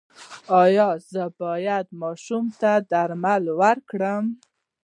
ایا زه باید ماشوم ته درمل ورکړم؟